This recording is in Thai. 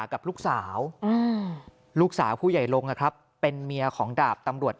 กับลูกสาวลูกสาวผู้ใหญ่ลงนะครับเป็นเมียของดาบตำรวจ